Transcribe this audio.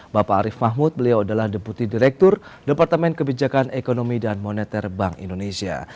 bapak arief mahmud beliau adalah deputi direktur departemen kebijakan ekonomi dan moneter bank indonesia